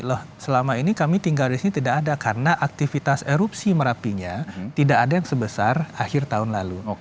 loh selama ini kami tinggal di sini tidak ada karena aktivitas erupsi merapinya tidak ada yang sebesar akhir tahun lalu